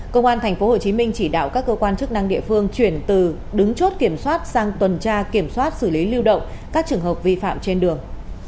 công an tp hcm chỉ đạo các cơ quan chức năng địa phương chuyển từ đứng chốt kiểm soát sang tuần tra kiểm soát xử lý lưu động các trường hợp vi phạm trên đường